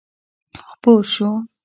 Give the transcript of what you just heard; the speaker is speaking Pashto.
خپور شو.